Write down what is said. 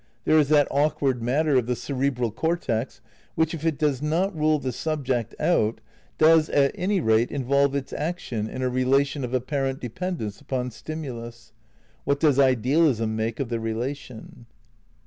There is that awkward matter of the cerebral cortex, which if it does not rule the subject out, does at any rate involve its action in a relation of apparent depend ence upon stimulus ? What does idealism make of the relation